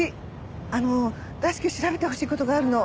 あの大至急調べてほしい事があるの。